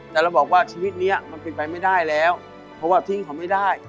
แต่เราบอกว่าชีวิตนี้มันเป็นไปไม่ได้แล้วเพราะว่าทิ้งเขาไม่ได้